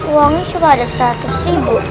uangnya sudah ada seratus ribu